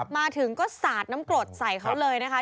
มาถึงก็สาดน้ำกรดใส่เขาเลยนะคะ